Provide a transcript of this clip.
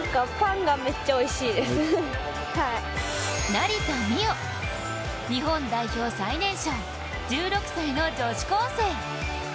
成田実生、日本代表最年少１６歳の女子高生。